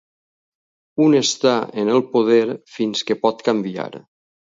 Un està en el poder fins que pot canviar.